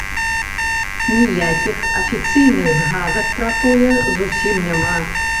Ніякіх афіцыйных згадак пра тое зусім няма.